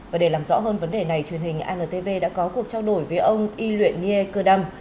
và để làm rõ hơn vấn đề này truyền hình antv đã có cuộc trao đổi với ông y luyện nghê cơ đâm